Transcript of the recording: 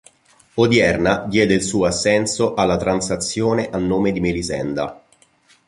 Hodierna diede il suo assenso alla transazione a nome di Melisenda.